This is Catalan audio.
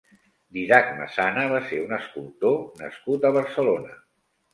Dídac Massana va ser un escultor nascut a Barcelona.